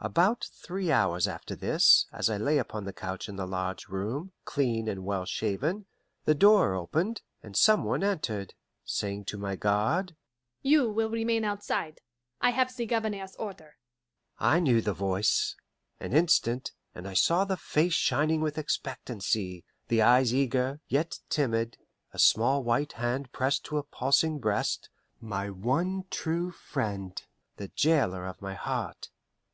About three hours after this, as I lay upon the couch in the large room, clean and well shaven, the door opened, and some one entered, saying to my guard, "You will remain outside. I have the Governor's order." I knew the voice; an instant, and I saw the face shining with expectancy, the eyes eager, yet timid, a small white hand pressed to a pulsing breast my one true friend, the jailer of my heart.